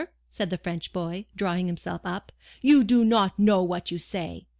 said the French boy, drawing himself up; 'you do not know what you say.